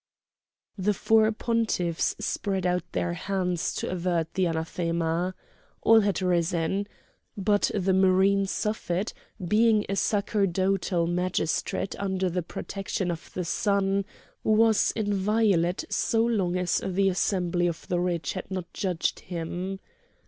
The four pontiffs spread out their hands to avert the anathema. All had risen. But the marine Suffet, being a sacerdotal magistrate under the protection of the Sun, was inviolate so long as the assembly of the rich had not judged him.